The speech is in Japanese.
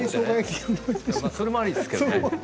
それもありですけどね。